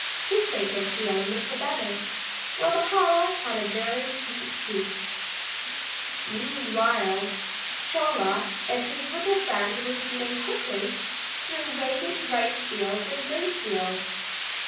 This made him feel a little better, for Mahala had a very "sweet tooth." Meantime Chola and his little friend were speeding quickly through waving rice fields and grain fields.